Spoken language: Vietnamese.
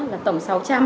là tổng sáu trăm linh